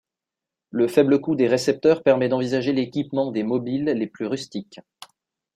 Le faible coût des récepteurs permet d'envisager l'équipement des mobiles les plus rustiques.